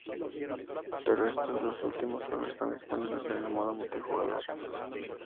Pero estos dos últimos solo están disponibles en el modo multijugador.